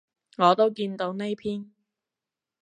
我都見到呢篇